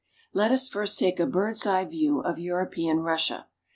Let us first take a bird's eye view of European Russia.